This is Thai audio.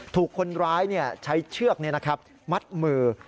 ถูกคนร้ายใช้เชือกมัดมือ